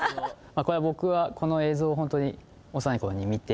僕はこの映像をホントに幼い頃に見て。